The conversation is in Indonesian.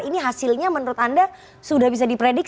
ini hasilnya menurut anda sudah bisa diprediksi